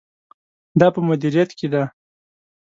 دا په مدیریت کې ده.